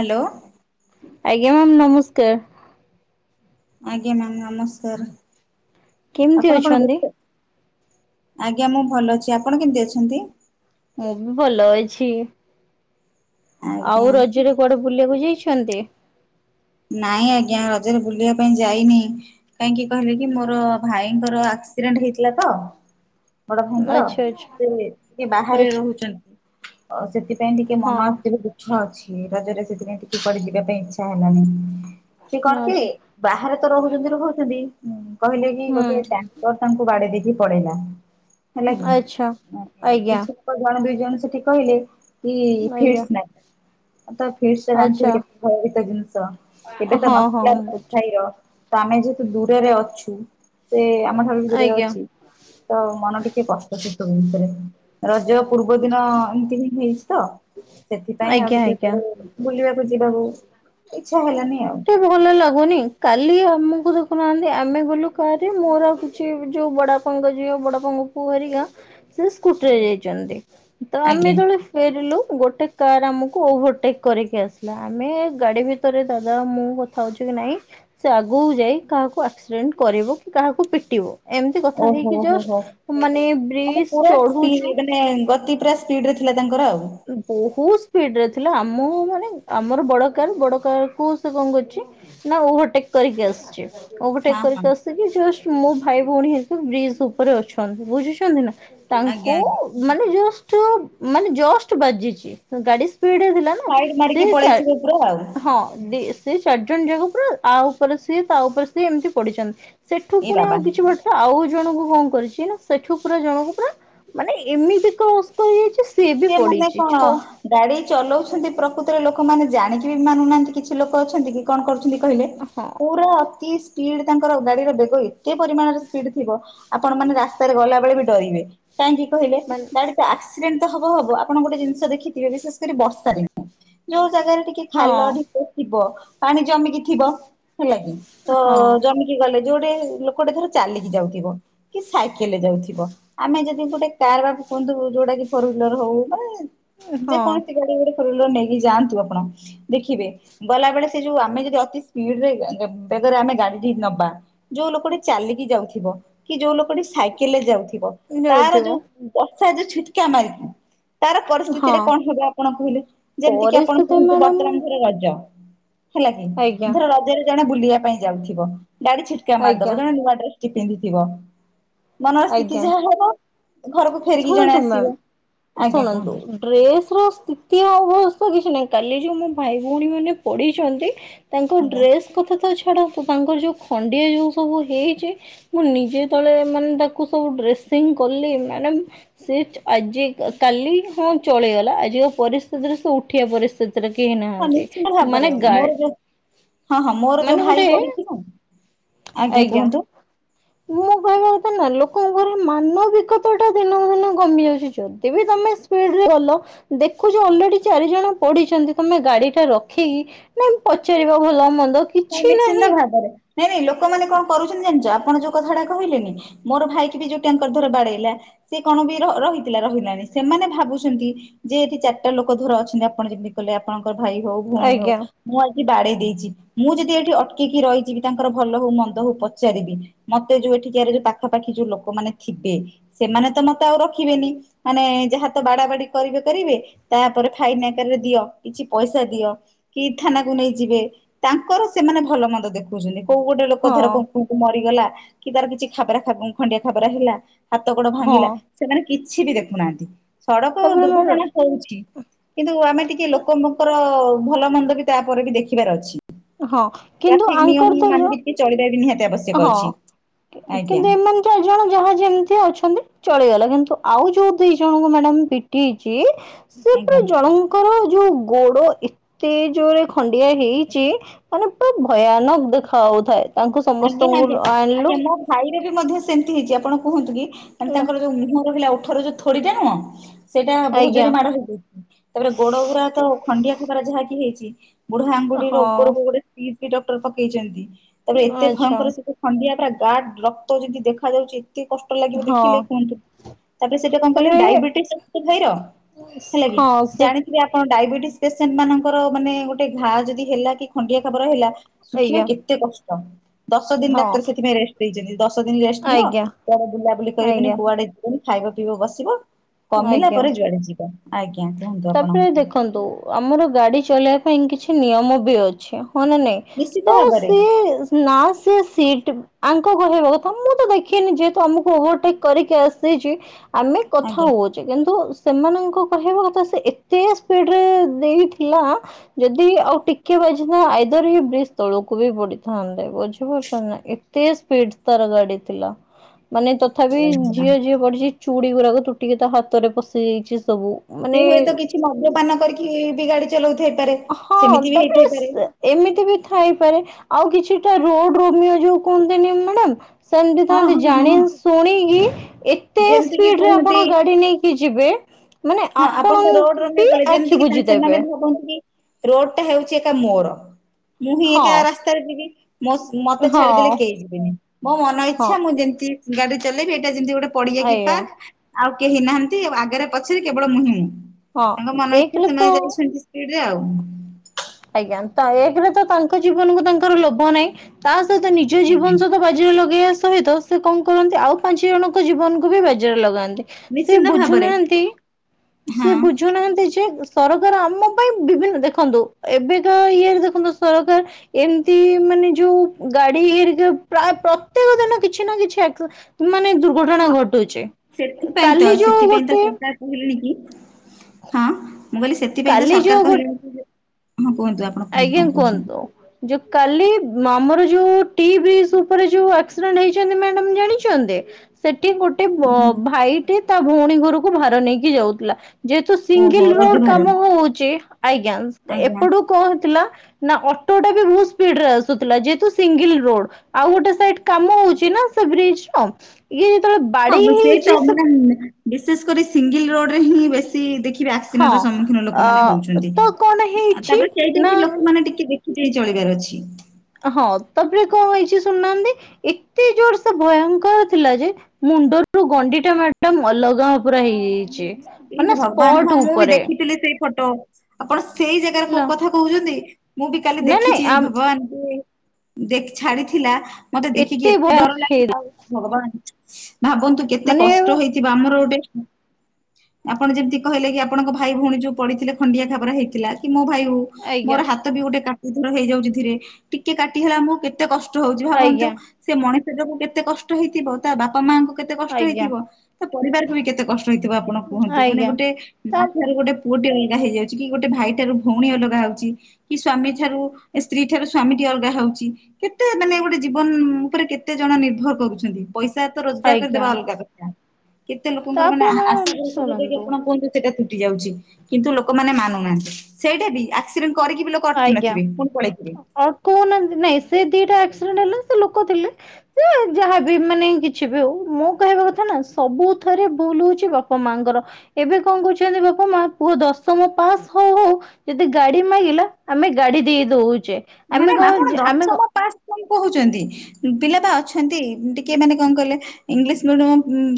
Hello. ଆଜ୍ଞା ma'am ନମସ୍କାର। ଆଜ୍ଞା ମ୍ୟାମ୍ ନମସ୍କାର କେମିତି ଆପଣ କଣ ଅଛନ୍ତି? ବେ ଆଜ୍ଞା ମୁଁ ଭଲ ଅଛି ଆପଣ କେମତି ଅଛନ୍ତି? ମୁଁବି ଭଲ ଅଛି। ଆଜ୍ଞା ଆଉ ରଜରେ କୁଆଡ଼େ ବୁଲିବାକୁ ଯାଇଛନ୍ତି? ନାଇଁ ଆଜ୍ଞା ରଜରେ ବୁଲିବା ପାଇଁ ଯାଇନି କାହିଁକି କହିଲେକି ମୋର ଭାଇଙ୍କର ଆକ୍ସିଡେଣ୍ଟ ହେଇଥିଲାତ ବଡ଼ ଭାଇଙ୍କର ଆଚ୍ଛା ଆଚ୍ଛା ସେବାହାରେ ଆଚ୍ଛା ରହୁଚନ୍ତି ଅଁ ସେଥି ପାଇଁ ଟିକେ ହଁ ମନ ଆକ୍ଚୁଲି ଦୁଃଖ ଅଛି ରଜରେ ସେଥିପାଇଁ ଟିକେ କୁଆଡ଼େ ଯିବା ପାଇଁ ଇଚ୍ଛା ହେଲାନି। ସେଏ କଣକି ଆଚ୍ଛା। ବାହାରେତ ରହୁଚନ୍ତି ରହୁଚନ୍ତି କହିଲେକି ଗୋଟେ ଟା ହୁଁ ତ ତାଙ୍କୁ ବାଡ଼େଦେଇକି ପଳେଇଲା ହେଲାକି ଆଚ୍ଛା ଆଜ୍ଞା କିଛି ଜଣେ ଦୁଇ ଜଣ ସେଠି କହିଲେ କି ଆଜ୍ଞା ଫିସ୍ ନାଇଁ ଆଁ ତ ଫିସ୍ ଆଚ୍ଛା। ଜାଣିଥିବି କେତ ଭୟଭୀତ ଜିନିଷ କେବେତ ହଁ ହଁ ନଥିଲା ମୁଁ ବୁଝୁ ଭାଇର ତ ଆମେ ଯେହେତୁ ଦୂରରେ ଅଛୁ ସେ ଆମଠାରୁବି ଦୂରରେ ଆଜ୍ଞା ଅଛି ତ ମନ ଟିକେ କଷ୍ଟ ହୁଏ ଜୋରସରେ ରଜ ପୂର୍ବ ଦିନ ଏମିତିହିଁ ହେଇଚିତ ସେଥିପାଇଁ ଆଉ ଆଜ୍ଞା ଟିକେ ଆଜ୍ଞା। କୁଆଡ଼େ ବୁଲିବାକୁ ଯିବାକୁ ଇଚ୍ଛା ହେଲାନି ଆଉ। ଏତେ ଭଲ ଲାଗୁନି କାଲି ଆମକୁ ଦେଖୁନାହାନ୍ତି ଆମେ ଗଲୁ କାରେ ମୋର ଆଉ କି ଯୋଉ ବଡ଼ବାପାଙ୍କ ଝିଅ ବଡ଼ବାପାଙ୍କ ପୁଅଅରିକା ସେ ସ୍କୁଟିରେ ଯାଇଚନ୍ତି ତଆମେ ଆଜ୍ଞା ଯେତେବେଳେ ଫେରିଲୁ ଗୋଟେ କାର ଆମକୁ ଓଭରଟେକ୍ କରିକି ଆସିଲା ଆମେ ଗାଡ଼ି ଭିତ ତରେ ଦାଦା ମୁଁ କଥା ହଉଚିକି ନାଇଁ ସେ ଆଗକୁ ଯାଇ କାହାକୁ ଆକ୍ସିଡେଣ୍ଟ କରିବକି କାହାକୁ ପିଟିବ ଏମିତି କଥା ଓହୋ ହେଇକି ହୋ ହୋ ଜଷ୍ଟ ମାନେ ମାନେ ବ୍ରିଜ୍ ପୁରା ଚଢୁଚୁ ସ୍ପିଡ ମାନେ ଗତି ପୁରା ସ୍ପିଡ୍ରେ ଥିଲା ତାଙ୍କର ଆଉ। ବହୁତ୍ ସ୍ପିଡରେ ଥିଲା ଆମର ମାନେ ଆମର ବଡ଼ କାର୍ ବଡ଼ କାର୍କୁ ସେ କଣ କରିଚି ନା ଓଭରଟେକ୍ କରିକି ଆସିଚି ହଁ ଓଭରଟେକ୍ ହଁ କରିକି ଆସିକି ମୋ ଭାଇ ଭଉଣୀ ହେରିକା ବ୍ରିଜ୍ ଉପରେ ଅଛନ୍ତି ବୁଝଛନ୍ତିନା ଆଜ୍ଞା ତାଙ୍କୁ ଆଜ୍ଞା। ମାନେ ଜଷ୍ଟ ମାନେ ଜଷ୍ଟ ବାଜିଚି ଗାଡି ସ୍ପିଡ଼େରେ ଥିଲା ସାଇଡ ସେ ମାରିକି ଚା ପଳେଇଥିବେ ପୁରା ଆଉ ହଁ ବି ସେ ଚାରି ଜଣ ଯାକ ପୁରା ଆ ଉପରେ ସିଏ ତା ଉପରେ ସିଏ ଏମିତି ପଡିିଛନ୍ତି ସେଠୁ ଏ ପୁଣି ଆଉ ବାବା କିଛି ବାଟ ତ ଆଉ ଜଣଙ୍କୁ କଣ କରିଚିନା ସେଠୁ ପୁରା ଜଣକୁ ପୁରା ମାନେ ଏମିତିକ ଯାଇଚି ସିଏବି ପଡ଼ି ହଁ। ଗାଡି ଚଲଉଛନ୍ତି ପ୍ରକୃତରେ ଲୋକମାନେ ଜାଣିକି ବି ମାନୁନାହାନ୍ତି କିଛି ଲୋକ ଅଛନ୍ତି କି କଣ କରୁଛନ୍ତି? କଣ କହିଲେ ହଁ ପୁରା ଅତି ସ୍ପିଡ ତାଙ୍କର ଗାଡିର ବେଗ ଏତେ ପରିମାଣରେ ସ୍ପିଡ୍ ଥିବ ଆପଣ ମାନେ ରାସ୍ତାରେ ଗଲାବେଳେ ବି ଡରିବେ କାହିଁକି କହିଲେ ମାନେ ଗାଡି ତ ଆକ୍ସିଡେଣ୍ଟ୍ ହବ ହବ ଆପଣ ଗୋଟେ ଜିନିଷ ଦେଖିଥିବେ ବିଶେଷ କରି ବର୍ଷାରେ ଯୋଉ ଜାଗାରେ ଟିକେ ହଁ ଖାଲ ଢି ଥିବ ପାଣି ଜମିକି ଥିବ ହେଲା କିି ତ ହଁ ଜମି଼ କି ଗଲେ ଯୋଉଟେ ଲୋକଟେ ଧର ଚାଲିକି ଯାଉଥିବ। କି ସାଇକେଲରେ ଯାଉଥିବ ଆମେ ଯଦି ଗୋଟେ କାର ବା କୁହନ୍ତୁ ଯୋଉଟା କି ଫୋର୍ ହୁଇଲର ହଉ ବା ହଁ ଯେକୌଣସି ଗାଡି ଗୋଟେ ଫୋର ହୁଇଲର ନେଇକି ଯାଆନ୍ତୁ ଆପଣ। ଦେଖିବେ ଗଲାବେଳେ ସେ ଯୋଉ ଆମେ ଯଦି ଅତି ସ୍ପିଡରେ ବେଗରେ ଆମେ ଗାଡିଟି ନବା ଯୋଉ ଲୋକଟି ଚାଲିକି ଯାଉଥିବ କି ଯୋଉ ଲୋକଟି ସାଇକେଲରେ ଯାଉଥିବ ତାର ଯୋଉ ନେଉଥିବ ବର୍ଷା ଯୋଉ ଛିଟକା ମାରିଥାଏ। ତାର ପରିସ୍ଥିତିରେ ହଁ। କଣ ହବ ଆପଣ କହିଲେ ଯେମିତି କିି ଆପଣ ପରିସ୍ଥିତି କୁହନ୍ତୁ ମ୍ୟାଡ଼ାମ ବର୍ତ୍ତମାନ ଧର ରଜ ହେଲା କି ଆଜ୍ଞା ଧର ରଜରେ ଜଣେ ବୁଲିବା ପାଇଁ ଯାଉଥିବ ଗାଡି ଛିଟକା ମାରିଦବ ଆଜ୍ଞା ଜଣେ ନୂଆ ଡ୍ରେସ୍ ଯିଏ ପିନ୍ଧିଥିବ ମନର ସ୍ଥିତି ଆଜ୍ଞା ଯାହା ହବ ଘରକୁ ଫେରିକି ଜଣେ ଆସ ବା ଏ ଶୁଣନ୍ତୁ ଡ୍ରେସ ର ସ୍ଥିତି ଆଉ ଅବଶ୍ୟ କିଛି ନାହିଁ କାଲି ଯୋଉ ମୋ ଭାଇ ଭଉଣୀ ମାନେ ପଢିଛନ୍ତି [unintelligible] ତାଙ୍କ ଆଜ୍ଞା ଡ୍ରେସ୍ କଥା ତ ଛାଡନ୍ତୁ ତାଙ୍କର ଯୋଉ ଖଣ୍ଡିଆ ଯୋଉ ସବୁ ହେଇଛି ମୁଁ ନିଜେ ତଳେ ମାନେ ତାକୁ ତାକୁ ସବୁ ଡ୍ରେସିଂ କଲେ ମାନେ ମୁଁ ସେ ଆଜି କାଲି ହଁ ସବ ଚଳଗଲା ଆଜି ପରିସ୍ଥିତିରେ ସେ ଉଠ ଉଠିବା ପରିସ୍ଥିତିରେ କେହି ହଁ ନାହାନ୍ତି ନିଶ୍ଚିନ୍ତ ଭାବରେ ମାନେ ଗାଡି ମୋର ଯୋଉ ହଁ, ହଁ, ମୋର ଯୋଉ ଭାଇ ପଡିଛି ନା ଆଜ୍ଞା କୁହନ୍ତୁ ମୁଁ କହିବା କଥା ନୁହଁ ଲୋକ ଲୋକଙ୍କ ର ମାନବିକତା ଟା ଦିନକୁ ଦିନ କମି ଯାଉଛି ଯଦି ବି ତମେ ସ୍ପିଡରେ ଗଲ ଦେଖୁଛ ଅଲରେଡି ଚାରି ଜଣ ପଢିଛନ୍ତି ତମେ ଗାଡି ଟା ରଖିକି ନାଇ ପଚାରିବା ଭଲ, ମନ୍ଦ ତା କିଛି ହେଲେ ସିନା ନାହିଁ ଭାବରେ ନାଇଁ ନାଇଁ ଲୋକମାନେ କଣ କରୁଛନ୍ତି ଜାଣିଛ ଆପଣ ଯୋଉ କଥାଟା କହିଲେନି ମୋର ଭାଇକି ବି ଯୋଉ ଟ୍ୟାଙ୍କର ଧର ବାଡେଇଲା ସେ କଣ ବି ର -ରହିଥିଲା ରହିଲାନି ସେମାନେ ଭାବୁଛନ୍ତି ଯେ ଏଠି ଚାରିଟା ଲୋକ ଧର ଅଛନ୍ତି ଆପଣ ଯେମତି କହିଲେ ଆପଣଙ୍କର ଭାଇ ହଉ ଭଉଣୀ ହଉ ଆଜ୍ଞା ମୁଁ ଆଜି ବାଡେଇ ଦେଇଛି ମୁଁ ଯଦି ଏଇଠି ଅଟକିକି ରହିଯିବି ତାଙ୍କର ଭଲ ହଉ ମନ୍ଦ ହଉ ପଚାରିବି ମତେ ଯୋଉ ଏଠିକାର ଯୋଉ ପାଖାପାଖି ଯୋଉ ଲୋକମାନେ ଥିବେ ସେମାନେ ତ ମତେ ଆଉ ରଖିବେନି। ମାନେ ଯାହା ତ ବାଡା ବାଡି କରିବେ କରିବେ ତାପରେ ଫାଇନ୍ ଆକାରରେ ଦିଅ କିଛି ପଇସା ଦିଅ କି ଥାନାକୁ ନେଇ ଯିବେ ତାଙ୍କର ସେମାନେ ଭଲ ମନ୍ଦ ଦେଖଉଛନ୍ତି କୋଉ ଗୋଟେ ଲୋକ ହଁ ଧର କଉ ମରିଗଲା କି ତାର କିଛି ଖବରା ଖଣ୍ଡିଆ ଖାବରା ହେଲା ହାତ ଗୋଡ ହଁ ଭାଙ୍ଗିଲା ସେମାନେ କିଛି ବି ଦେଖୁନାହାନ୍ତି ସଡକ ତାପରେ ଦୁର୍ଘଟଣା ହଉଛି କିନ୍ତୁ ଆମେ ଟିକେ ଲୋକଙ୍କର ଭଲ ମନ୍ଦ ବି ତାପରେ ବି ଦେଖିବାର ଅଛି। ହଁ କିନ୍ତୁ ଆଙ୍କର ତ ଯ କି ଚାଲିବାବି ନିହାତି ଆବଶ୍ୟକ। ହଁ, ଅଛି ଆଜ୍ଞା କିନ୍ତୁ ଏ ମାନେ ଚାରି ଜଣ ଯାହା ଯେମିତି ଅଛନ୍ତି ଚଳିଗଲା କିନ୍ତୁ ଆଉ ଯୋଉ ଦି ଜଣଙ୍କୁ ମ୍ୟାଡାମ୍ ପିଟିହେଇଛି ସିଏ ପୁରା ଆଜ୍ଞା। ଜଣଙ୍କର ଯୋଉ ଗୋଡ ଏତେ ଜୋରେ ଖଣ୍ଡିଆ ହେଇଛି ମାନେ ପୁରା ଭୟାନକ୍ ଦେଖା ହାଉଥାଏ ତାଙ୍କୁ ସମସ୍ତେ ଏ ନାକେ ଆଜ୍ଞା ମୋ ଭାଇରେ ବି ମଧ୍ୟ ସେମିତି ହେଇଛି ଆପଣ କୁହନ୍ତୁ କି ମାନେ ହେଲା ତାଙ୍କର ଯୋଉ ମୁହଁ ରହିଲା ଉଠର ଯୋ ଥୋଡିଟା କଣ ସେଇଟା ବହୁତ୍ ଆଜ୍ଞା ଜୋରେ ମାଡ଼ ହେଇଯାଇଛି ତାପରେ ଗୋଡ ଗୁରା ତ ଖଣ୍ଡିଆ ତାଙ୍କର ଯାହାକି ହେଇଛି ବୁଢା ଆଙ୍ଗୁଡିର ହଁ ଉପରକୁ ଗୋଟେ ଟିଚି ଡକ୍ଟର ପକେଇ ଚନ୍ତି ତାପରେ ଆଚ୍ଛା ତା ଖଣ୍ଡିଆ ଟା ଯା ରକ୍ତ ଯଦି ଦେଖାଯାଉଛି ଏତେ କ ଷ୍ଟ ଲାଗିବ ହଁ ଦେଖିଲେ କୁହନ୍ତୁ ତାପରେ ସେଟା କଣ କଲେ ତାପରେ ଡାଇବେଟିସ୍‌ ଅଛି ତ ଭାଇର। ହଁ ସେ ଯଦି ଆପଣ ଡାଇବେଟିସ୍ ପେସେଣ୍ଟ ମାନଙ୍କର ମାନେ ଗୋଟେ ଘା ଯଦି ହେଲା କି ଖଣ୍ଡିଆ ଖାବର ହେଲା ଶୁଖିବା ଆଜ୍ଞା କେତେ କଷ୍ଟ ଦଶ ଦିନ୍‌ ହଁ ଡାକ୍ତର ସେଥିପାଇଁ ରେଷ୍ଟ ଦେଇଚନ୍ତି ଦଶ ଦିନ୍‌ ରେଷ୍ଟ ନିଅ। ଆଜ୍ଞା କୁଆଡେ ବୁଲାବୁଲି କରିବନି ଆଜ୍ଞା କୁଆଡେ ଯିବନି ଖାଇବ ପିଇବ ବସିବ କମିଲା ପରେ ଆଜ୍ଞା ଯୁଆଡେ ଯିବ। ଆଜ୍ଞା କୁହନ୍ତୁ ଆପଣ। ତାପରେ ଦେଖନ୍ତୁ ଆମର ଗାଡି ଚଲେଇବା ପାଇଁ କିଛି ନିୟମ ବି ଅଛି ହଁ ନା ନାଇଁ। ନିଶ୍ଚିତ ତ ଭାବରେ ସିଏ ଲାଷ୍ଟେ ସିଟ୍ ଆଙ୍କ କହିବା କଥା ମୁଁ ତ ଦେଖିନି ଯେହେତୁ ଆମକୁ ଓଭରଟେକ୍ କରିକି ଆସିଛି ଆମେ କଥା ଆଜ୍ଞା। ହଉଛେ କିନ୍ତୁ ସେମାନଙ୍କ କହିବା କଥା ସେ ଏତେ ସ୍ପିଡରେ ଦେଇଥିଲା ଯଦି ଆଉ ଟିକେ ବାଜିଥା ଆଇଦର ଇଏ ବ୍ରିଜ ତଳକୁ ବି ପଡିଥାନ୍ତେ ବୁଝି ପାରୁଛ ନା। ଏତେ ସ୍ପିଡ୍‌ ତାର ଗାଡି ଥିଲା। ହ ମାନେ ତଥାପି ଯିଏ ଯିଏ ପଢିଛି ଚୁଡ଼ି ଗୁଡାକୁ ତୁଟିକି ତା ହାତରେ ପଶି ଯାଇଛି ସବୁ ମାନେ ସେ ହୁଏତ କିଛି ମଦ୍ୟପାନ କରିକି ବି ଗାଡି ଚଲାଉ ଥାଇପାରେ। ହଁ ତାପରେ ସେ ଏମିତି ବି ଥାଇପାରେ ଆଉ କିଛିଟା ରୋଡ ରୋମି ଯୋଉ କୁହନ୍ତିନି ମ୍ୟାଡାମ ସେମିତି ହଁ ଥାନ୍ତି ହଁ ଜାଣି ହଁ ଶୁଣିକି ଏତେ ଯେମିତି କିି ସ୍ପିଡ୍‌ ରେ ଆପଣ କୁହନ୍ତି ଗାଡି ନେଇ କି ଯିବେ ମାନେ ଆପଣ ବି ଆଖି ବୁଝିଦେବେ। କୁହନ୍ତୁ କି ରୋଡ ଟା ହେଉଛି ଏକା ମୋର। ମୁଁ ବି ହଁ ଏକା ରାସ୍ତାରେ ଯିବି ମସ୍ ମତେ ହଁ ଛାଡିଦେଲେ କେହି ଯିବେନି। ମୋ ମନ ହଁ ଇଚ୍ଛା ମୁଁ ଯେମିତି ଗାଡି ଚଲେଇବି ଏଇଟା ଯେମିତି ଗୋଟେ ପଡିଆକି ଆଜ୍ଞା ପାର୍କ ଆଉ କେହି ନାହାନ୍ତି ଆଉ ଆଗରେ ପଛରେ କେବଳ ମୁଁହୁଁ ହଁ ତାଙ୍କ ମନ ଇଚ୍ଛା ଏକରେ ତ ସେମାନେ ଯାଇଛନ୍ତି ସ୍ପିଡିରେ ଆଉ। ଆଜ୍ଞା ତ ଏକେରେ ତ ତାଙ୍କ ଜୀବନକୁ ତାଙ୍କର ଲୋଭ ନାହିଁ ତା ସହିତ ନିଜ ଜୀବନ ଆଜ୍ଞା ସହ ପା ବାଜିରେ ଲଗେଇବା ସହିତ ସେ କଣ କରନ୍ତି ଆଉ ପାଞ୍ଚ ଜଣଙ୍କ ଜୀବନକୁ ବି ବାଜିରେ ଲଗାନ୍ତି। ସେ ନିଶ୍ଚିନ୍ତ ବୁଝୁ ଭାବରେ ନାହାନ୍ତି ସେ ହଁ ବୁଝୁନାହାନ୍ତି ଯେ ସରକାର ଆମ ପାଇଁ ବିଭିନ୍ନ ଦେଖନ୍ତୁ ଏବେତ ଇଏରେ ଦେଖନ୍ତୁ ସରକାର ଏମତି ମାନେ ଯୋଉ ଗାଡିି ହରିକା ପ୍ରାଏ ପ୍ରତ୍ୟେକ ଦିନ କିଛି ନା କିଛି ଆ ମାନେ ଦୁର୍ଘଟଣା ହଁ ଘଟୁଚି। ସେଥିପାଇଁ ତ ସେତିପାଇଁତ ଟୋଟାଲ କହିଲେଣି କି ହଁ ମୁଁ କହିଲି ସେଥିପାଇଁ ତ କାଲି ଯୋଉ ସରକାର ଗୋଟେ କହିଲେଣି କି ଯେ ହଁ କୁହନ୍ତୁ ଆପଣ କୁହନ୍ତୁ ଆଜ୍ଞା କଣ କୁଅନ୍ତୁ। କହୁଛନ୍ତି? ଯୋଉ କାଲି ଆମର ଯୋଉ ଟିବ୍ରିଜି ଉପରେ ଯୋଉ ଆସ୍କିରେଣ୍ଟ ହେଇଚନ୍ତି ମାଡାମ ଜାଣିଚନ୍ତି। ସେଠି ଗୋଟେ ବ ଭାଇଟେ ତା ଭଉଣୀ ଘରକୁ ଭାର ନେଇକି ଯାଉଥିଲା ଯେହେତୁ ଓହୋ ସିଙ୍ଗିଲି ରୋଡ ରୋଜଗାର କାମ ହଉଛି ଆଜ୍ଞା ଆଜ୍ଞା ଏପଟୁ କ ହେଇଥିଲା ନା ଅଟୋଟା ବି ବହୁତ ସ୍ପିଡିରେ ଆସୁଥିଲା ଯେହେତୁ ସିଙ୍ଗିଲି ରୋଡ ଆଉ ଗୋଟେ ସାଇଡି କାମ ହଉଚି ନା ସେ ବ୍ରିଜି ଟା ଇଏ ଯେତେବେଳେ ହଁ ବାଡେଇ ବ- ସେଇ ତ ହେଇଚି ସେ ମାନେ ବିଶେଷ କରି ସିଙ୍ଗିଲି ରୋଡ ରେ ହିଁ ବେଶ୍ ସି ଦେଖିବେ ଆକ୍ସିରେଣ୍ଟ ହଁ ର ସମ୍ମୁଖୀନ ଅ ଲୋକମାନେ ହଉଚନ୍ତି। ତ କଣ ଆ ହେଇଛି ତାପରେ ସେଇଟା ବି ନା ଲୋକମାନେ ଟିକେ ଦେ କି ଚଳିବାର ଅଛି। ଅ ହଁ ତାପରେ କଣ ହେଇଚି ଶୁଣୁନାହାନ୍ତି, ଏତେ ଜୋର ସେ ଭୟଙ୍କର ଥିଲା ଯେ ମୁଣ୍ଡରୁ ଗଣ୍ଡିଟା ମାଡାମ ଅଲଗା ପୁରା ହେଇଯାଇଚି। ଏ ଭଗବାନ ହଁ ମୁଁ ବି ଦେଖିଥିଲି ସେଇ ଫଟୋ। ଆପଣ ସେଇ ଜାଗାରେ ହେଲା। କ-କଥା କହୁଛନ୍ତି ମୁଁ ବି କାଲି ନାଇଁ ନାଇଁ ଦେଖିଛି ଏଇ ଆମ୍ ଭଗବାନ୍ [unintelligible] ଦେଖ ଛାଡିଥିଲା ମତେ ଦେଖିକି ଏତେ ଭୟାନକ ଡର ଲାଗିଲା ହେଇଥିଲା ଆଉ ଭଗବାନ ଭାବନ୍ତୁ କେତେ ମାନେ କଷ୍ଟ ହେଇଥିବ ଆମର ଗୋଟେ ଆପଣ ଯେମିତି କହିଲେ କି ଆପଣଙ୍କ ଭାଇ ଭଉଣୀ ଯୋଉ ପଡ଼ିଥିଲେ ଖଣ୍ଡିଆ ଖାବର ହେଇଥିଲା କି ମୋ ଭାଇ ହୋଉ ଆଜ୍ଞା। ମୋର ହା ତ ବି ଗୋଟେ କାଟି ଥର ହେଇଯାଉଛି ଧୀରେ ଟିକେ କାଟି ହେଲା ଆମକୁ କେତେ କଷ୍ଟ ହଉଛି ଭାବନ୍ତୁ। ଆଜ୍ଞା ସେ ମଣିଷ ଟାକୁ କେତେ କଷ୍ଟ ହେଇଥିବ ତା ବାପା ମାଙ୍କ କେତେ କଷ୍ଟ ଆଜ୍ଞା ହେଇଥିବ ତ ପରିବାରକୁ ବି କେତେ କଷ୍ଟ ହେଇଥିବ ଆପଣ କୁହନ୍ତୁ ମାନେ ଆଜ୍ଞା। ଗୋଟେ ତା ମା ଟା ର ଗୋଟେ ପୁଅଟି ଅଲଗା ହେଇଯାଉଛି କି ଗୋଟେ ଭାଇ ଠାରୁ ଭଉଣୀ ଅଲଗା ହଉଛି। କି ସ୍ଵାମୀ ଠାରୁ ଏ ସ୍ତ୍ରୀ ଠାରୁ ସ୍ଵାମୀ ଟି ଅଲଗା ହଉଛି। କେତେ ମାନେ ଗୋଟେ ଜୀବନ ଉପରେ କେତେ ଜଣ ନିର୍ଭର କରୁଛନ୍ତି। ପଇସା ତ ରୋଜଗାର ଆଜ୍ଞା କରିଦବା ଅଲଗା କଥା କେତେ ଲୋକଙ୍କର ମାନେ ତାପରେ ଆ -ଆଶ ମ୍ୟାମ ଭରସ ଶୁଣନ୍ତୁ କୁହନ୍ତୁ ସେଟା ତୁଟି ଯାଉଛି କିନ୍ତୁ ଲୋକମାନେ ମାନୁ ନାହାନ୍ତି ସେଇଟା ବି ଆ କ୍ସିଡେଣ୍ଟ କରିକି ବି ଲୋକ ଅଟକି ନଥିବେ ପୁଣି ପଳେଇ ଥିବେ। ଅଟ୍କଉ ନାହାନ୍ତି ନାଇଁ ସେ ଦିଟା ଆକ୍ସିଡେଣ୍ଟ ହେଲା ସେ ଲୋକ ଥିଲେ ସେ ଯାହାବି ମାନେ କିଛି ବି ହଉ ମୁଁ କହିବା କଥା ନା ସବୁ ଥରେ ଭୁଲ ହଉଛି ବାପା ମାଙ୍କର। ଏବେ କଣ କହୁଛନ୍ତି ବାପା ମା ପୁଅ ଦଶମ ପାସ୍ ହଉ ହଉ ଯଦି ଗାଡ଼ି ମାଗିଲା ଆମେ ଗାଡ଼ି ଦେଇ ଦେଉଛେ। ମାଡାମ୍ ଆପଣ ଦଶମ ପାସ କଣ କହୁଛନ୍ତି। ପିଲା ପା ଅଛନ୍ତି ଟିକେ ମାନେ କଣ କହିଲେ ଇଂଲିଶ ମିଡିୟମ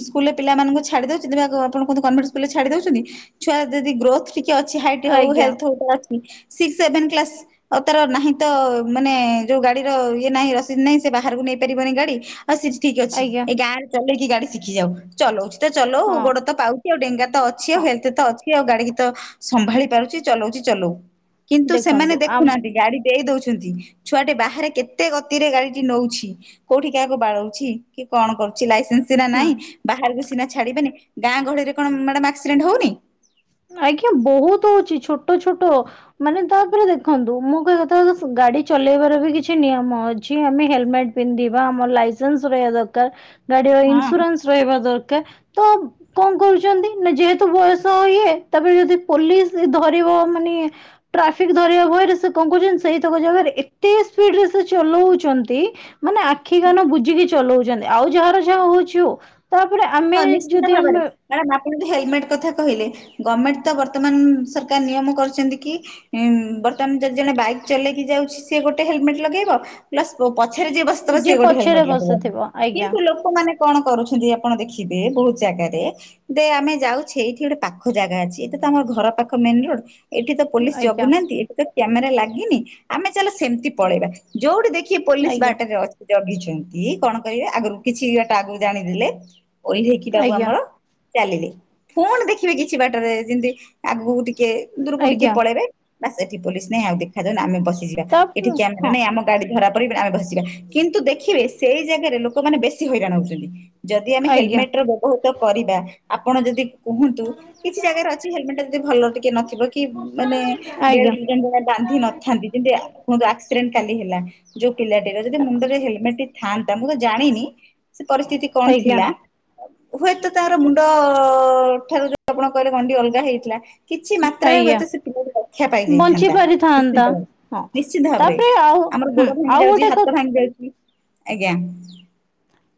ସ୍କୁଲ ପିଲାମାନଙ୍କୁ ଛାଡ଼ି ଦଉଛନ୍ତି ବା ଗ ଆପଣ କୁହନ୍ତୁ କନ୍ ଭେଟ୍ ସ୍କୁଲ ଛାଡ଼ି ଦଉଛନ୍ତି। ଛୁଆ ଯଦି ଗ୍ରୋଥ ଟି କି ଅଛି ହାଇଟ ହୋଉ ଆଜ୍ଞା ହେଲ୍ଥ ଗୋଟେ ଅଛି ସିକ୍ସ ସେଭେନ କ୍ଲାସ ଅ ତାର ନାହିଁ ତ ମାନେ ଯୋଉ ଗାଡ଼ିର ଇଏ ନାହିଁ ରସିଦ ନାହିଁ ସେ ବାହାରକୁ ନେଇ ପାରିବନି ଗାଡ଼ି। ହଁ ସେଠି ଠିକ୍ ଅଛି ଆଜ୍ଞା ଏ ଗାଁରେ ଚଲେଇକି ଗାଡ଼ି ଶିଖି ଯାଉ ଚଲଉଛି ତ ଚଲଉ ହଁ ଗୋଡ଼ ତ ପାଉ କି ଆଉ ଡେଙ୍ଗା ତ ଅଛି ଆଉ ହଁ ହେଲ୍ଥ ତ ଅଛି ଆଉ ଗାଡ଼ି କି ତ ସମ୍ଭାଳି ପାରୁଛି ଚଲଉଛି ଚଲଉ। କିନ୍ତୁ ସେମାନେ ଦେଖନ୍ତୁ ଆମ ଦେଖୁନାହାନ୍ତି ଗାଡ଼ି ଦେଇ ଦଉଛନ୍ତି ଛୁଆଟେ ବାହାରେ କେତେ ଗତିରେ ଗାଡ଼ିଟି ନୋଉଛି। କୋଉଠି କାହାକୁ ବାଡ଼ଉଛି କି କଣ କରୁଛି ଲାଇସେନ୍ସ ସିନା ହୁଁ ନାହିଁ ବାହାରକୁ ସିନା ଛାଡ଼ି ବେନି ଗାଁ ଗହଳିରେ କଣ ମାଡାମ୍ ଆକ୍ସିଡେଣ୍ଟ ହୋଉନି? ଆଜ୍ଞା ବୋହୁତ ହୋଉଛି ଛୋଟ ଛୋଟ। ମାନେ ତାପରେ ଦେଖନ୍ତୁ ମୁଁ କହିବା କଥା [unintelligible] ଗାଡ଼ି ଚଲେଇବାର ବି କିଛି ନିୟମ ଅଛି ଆମେ ହେଲମେଟ ପିନ୍ଧିବା ଆମର ଲାଇସେନ୍ସ ରହିବା ଦରକାର ଗାଡ଼ିର ହଁ। ଇନ୍ସୁରାନ୍ସ ରହିବା ଦରକାର ତ କଣ କରୁଛନ୍ତି ନା ଯେହେତୁ ବୟସ ଇଏ। ତାପରେ ବି ଯଦି ପୋଲିସ ଧରିବ ମାନେ ଟ୍ରାଫିକ ଧରିବା ଭୟରେ ସେ କଣ କରୁଛନ୍ତି ସେଇତକ ଜାଗାରେ ଏତେ ସ୍ପିଡ ରେ ସେ ଚଲଉଛନ୍ତି। ମାନେ ଆଖି କାନ ବୁଜିକି ଚଲଉଛନ୍ତି ଆଉ ଯାହାର ଯାହା ହୋଉଛି ହୋଉ। ତାପରେ ଆମେ ବି ଯଦି ଆମେ ମ୍ୟାଡ଼ାମ ଆପଣ ତ ହେଲମେଟ କଥା କହିଲେ ଗମେଣ୍ଟ ତ ବର୍ତ୍ତମାନ ସରକାର ନିୟମ କରିଛନ୍ତି କି ଉଁ ବର୍ତ୍ତମାନ ଯଦି ଜଣେ ବାଇକ୍ ଚଲେଇକି ଯାଉଛି ସିଏ ଗୋଟେ ହେଲମେଟ ଲଗେଇବ। ପ୍ଲସ୍ ପଛରେ ଯିଏ ବସିଥିବ ସିଏ ଗୋଟେ ପଛରେ ହେଲମେଟ ଲଗିବ ବସିଥିବ ଆଜ୍ଞା କିନ୍ତୁ ଲୋକମାନେ କଣ କରୁଛନ୍ତି। ଆପଣ ଦେଖିବେ ବହୁତ ଜାଗାରେ ଦେ ଆମେ ଯାଉଛେ ଏଇଠି ଗୋଟେ ପାଖ ଜାଗା ଅଛି ଏତ ତ ଆମର ଘର ପାଖ ମେନ ରୋଡ। ଏଠି ତ ପୋଲିସ ଆଜ୍ଞା ଜଗୁନାହାନ୍ତି ଏଠି ତ କ୍ୟାମେରା ଲାଗିନି ଆମେ ଚାଲ ସେମିତି ପଳେଇବା ଯୋଉଠି ଦେଖିବା। ପୋଲିସ ଆଜ୍ଞା ବାଟରେ ଅଛି ଜଗିଛନ୍ତି କଣ କରିବେ ଆଗରୁ କିଛି ବାଟା ଆଗକୁ ଜାଣିଦେଲେ ଓଇଠେଇକି ତାବୁ ଆଜ୍ଞା ଆମର ଚାଲିଲି ପୁଣି ଦେଖିବି କିଛି ବାଟରେ ଯେମିତି ଆଗକୁ ଟିକେ ଦୂରକୁ ଟିକେ ଆଜ୍ଞା ପଳେଇବେ ବା ସେଠି ପୋଲିସ ନାହିଁ ଆଉ ଦେଖାାଯାଉନ ଆମେ ବସିଯିବା। ତା ଏଠି କ୍ୟାମେରା ହଁ ନାଇଁ ଆମ ଗାଡି ଧରା ପରେ ବି ଆମେ ଭସିବା କିନ୍ତୁ ଦେଖିବେ ସେଇ ଜାଗାରେ ଲୋକ ଲୋକ ମାନ ବେଶୀ ହଇରାଣହଉଛନ୍ତି ଯଦି ଆମେ ଆଜ୍ଞା ହେଲମେଟ ର ବ୍ୟବହୃତ କରିବା ଆପଣ ଯଦି କୁହ କିଛି ଜାଗାରେ ଅଛି ହେଲମେଟା ଯଦି ଭଲ ଟିକେ ନଥିବ କି ମାନେ ଆଜ୍ଞା ବେଲ୍ଟ ବାନ୍ଧି ନଥାନ୍ତି ଯେମିତି କୁହନ୍ତୁ ଆକ୍ସିଡେଣ୍ଟ କାଲି ହେଲା। ଯୋଉ ପିଲାଟିର ଯଦି ମୁଣ୍ଡରେ ହେଲମେଟ ଟି ଥାଆନ୍ତା ମୁଁ ତ ଜାଣିନି ସେ ପରିସ୍ଥିତି କଣ ଥିଲା। ଆଜ୍ଞା ହୁଏତ ତାର ମୁଣ୍ଡ ଠାରୁ ଯି ଆପଣ କହିଲେ ଗଣ୍ଡି ଅଲଗା ହେଇଥିଲା। କିଛି ମାତ୍ରାରେ ଆଜ୍ଞା ହୁଏତ ସେ ପିଲା ରକ୍ଷା ବଞ୍ଚି ପାଇଯାଇଥାନ୍ତା। ପାରିଥାନ୍ତା ହଁ ନିଶ୍ଚିନ୍ତ ଭାବରେ ତାପରେ ଆଉ ଆମର ହୁଁ ଗୋଡ ଭାଙ୍ଗି ଆଉ ଯାଉଛି ଗୋଟେ ହାତ କଥା ଭାଙ୍ଗି ଯାଉଛି ଆଜ୍ଞା।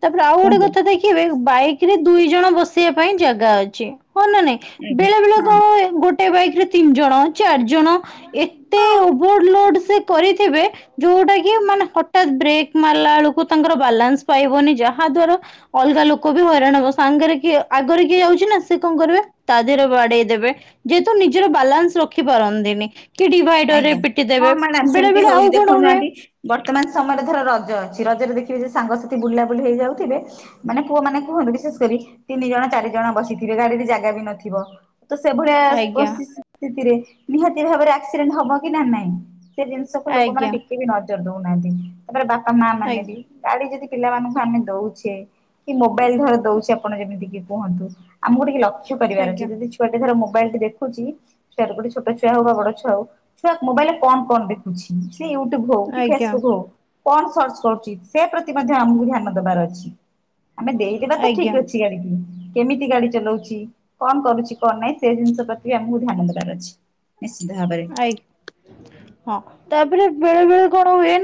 ତାପରେ ଆଉ ଗୋଟେ କୁହନ୍ତୁ କଥା ଦେଖିବେ ବାଇକରେ ଦୁଇ ଜଣ ବସେଇ ପାଇଁ ଜାଗା ଅଛି ହଁ ନା ନାଇଁ? ଆଜ୍ଞା ବେଳେ ବେଳେ ହଁ କଣ ହୁଏ ଗୋଟେ ବାଇକ ରେ ତିନି ଜଣ ଚାରି ଜଣ ଏତେ ହଁ ଓଭର ଲୋଡ ସେ କରିଥିବେ ଯୋଉଟା କି ମାନେ ହଠାତ୍ ବ୍ରେକ୍ ମାରିଲା ବେଳକୁ ତାଙ୍କର ବାଲାନ୍ସ ପାଇ କୁହନି ଯାହା ଦ୍ଵାରା ଅଲଗା ଲୋକ ବି ହଇରାଣ ହବ ସାଙ୍ଗରେ କିଏ ଆଗରେ କିଏ ଯାଉଛି ନା ସେ କଣ କରିବେ ତା ଦେହରେ ବାଡେଇ ଦେବେ ଯେହେତୁ ନିଜର ବାଲାନ୍ସ ରଖି ପାରନ୍ତିନି। କି ଡିଭାଇଡର ରେ ଆଜ୍ଞା ପିଟି ହଁ ଦେବେ ମ୍ୟାଡାମ ବେଳେ ସେମିତି ବେଳେ ହଉଛି ଆଉ କଣ ହୁଏ ଦେଖୁନାହାନ୍ତି ବର୍ତ୍ତମାନ ସମୟରେ ଧର ରଜ ଅଛି ରଜରେ ଦେଖିବେ ଯେ ସାଙ୍ଗସାଥି ବୁଲା ବୁଲି ହେଇଯାଉଥିବେ। ମାନେ ପୁଅ ମାନେ କୁହନ୍ତି ବିଶେଷ କରି ତିନି ଜଣ ଚାରି ଜଣ ବସିଥିବେ ଗାଡିରେ ଜାଗା ବି ନଥିବ। ତ ସେଭଳିଆ ଆଜ୍ଞା ସି ସ୍ଥିତିରେ ନିହାତି ଭାବରେ ଆକ୍ସିଡେଣ୍ଟ ହବ କି ନା ନାଇଁ? ସେ ଜିନିଷକୁ ଲୋକମାନେ ଆଜ୍ଞା ଟିକେ ବି ନଜର ଦଉନାହାନ୍ତି ତାପରେ ବାପା ମା ମାନେ ଆଜ୍ଞା ବି ଗାଡି ଯଦି ପିଲାମାନଙ୍କୁ ଆମେ ଦଉଛେ କି ମୋବାଇଲ ଧର ଦଉଛେ ଆପଣ ଯେମିତି କି କୁହନ୍ତୁ। ଆମକୁ ଟିକେ ଲକ୍ଷ କରିବାର ଅଛି ଆଜ୍ଞା। ଯଦି ଛୁଆଟେ ଧର ମୋବାଇଲ ଦେଖୁଛି ଛୁଆ ଛୁଆ ହଉକି ବଡ ଛୁଆ ମୋବାଇଲେ କଣ କଣ ଦେଖୁଛି ସେ ୟୁଟୁବ ହଉ କି ଆଜ୍ଞା ଫେସବୁକ୍ ହଉ। କଣ ସର୍ଚ୍ଚ କରୁଛି ସେ ପ୍ରତି ମଧ୍ୟ ଆମକୁ ଧ୍ୟାନ ଦବାର ଅଛି ଆମେ ଦେଇଦେବା ତ ଠିକ ଆଜ୍ଞା ଅଛି। କେମିତି ଗାଡି ଚଲାଉଛି କଣ କରୁଛି। କଣ ନାହିଁ ସେ ଜିନିଷ ପ୍ରତି ବି ଆମକୁ ଧ୍ୟାନ ଦେବାର ଅଛି ନିଶ୍ଚିତ ଭାବରେ। ଆ ହଁ ତାପରେ ବେଳେବେଳେ କଣ ହୁଏ ନା